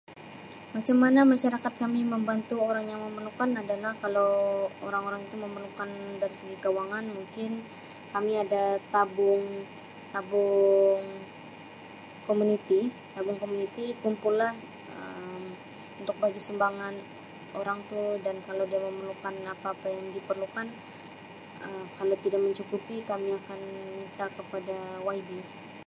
Macam mana masyarakat kami membantu orang yang memerlukan adalah kalau orang-orang itu memerlukan dari segi kewangan mungkin kami ada tabung tabung komuniti tabung komuniti kumpul lah Um untuk bagi sumbangan orang tu dan kalau dia memerlukan apa-apa yang diperlukan Um kalau tidak mencukupi kami akan minta kepada YB.